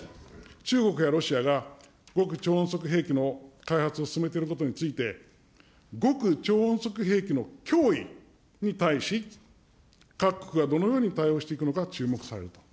中国やロシアが極超音速兵器の開発を進めていることについて、極超音速兵器の脅威に対し、各国がどのように対応していくのか注目される。